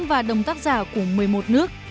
và đồng tác giả của một mươi một nước